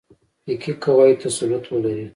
فقهي قواعدو تسلط ولري.